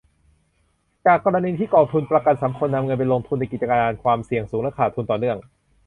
จากกรณีที่กองทุนประกันสังคม นำเงินไปลงทุนในกิจการความเสี่ยงสูงและขาดทุนต่อเนื่อง